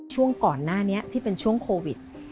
ช่วงก่อนหน้านี้ที่เป็นช่วงโควิด